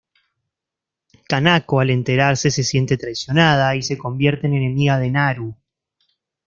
Kanako al enterarse se siente traicionada y se convierte en enemiga de Naru.